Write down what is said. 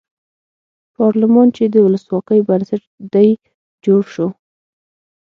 پارلمان چې د ولسواکۍ بنسټ دی جوړ شو.